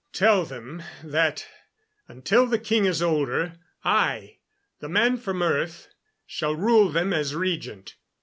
"Tell them that until the king is older, I the man from earth shall rule them as regent.